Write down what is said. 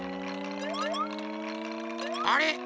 あれ？